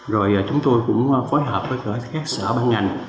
rồi chúng tôi cũng phối hợp với các sở ban ngành